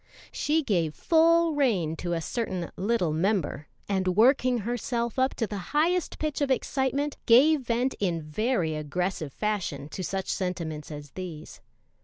She gave full rein to a certain "little member," and working herself up to the highest pitch of excitement, gave vent in very aggressive fashion to such sentiments as these.